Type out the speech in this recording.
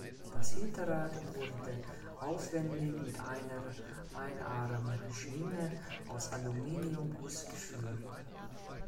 Das Hinterrad wurde aufwändig mit einer Einarmschwinge aus Aluminiumguss geführt.